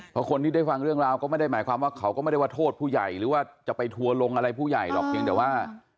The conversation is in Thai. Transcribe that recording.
เพราะคนที่ได้ฟังเรื่องราวก็ไม่ได้หมายความว่าเขาก็ไม่ได้ว่าโทษผู้ใหญ่หรือว่าจะไปทัวร์ลงอะไรผู้ใหญ่หรอกเพียงแต่ว่า